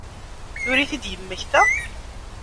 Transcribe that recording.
Tura i t-id-yemmekta?